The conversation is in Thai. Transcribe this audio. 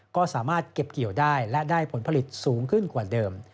ก็สามารถเก็บเกี่ยวได้และได้ผลผลิตสูงขึ้นกว่าเดิม